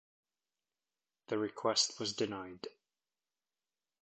The request was denied.